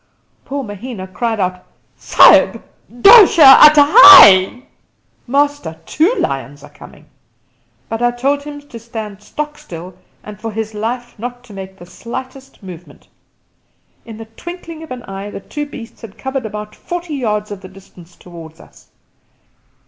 Poor Mahina cried out, "Sahib, do sher ata hai!" ("Master, two lions are coming!"), but I told him to stand stock still and for his life not to make the slightest movement. In the twinkling of an eye the two beasts had covered about forty yards of the distance towards us.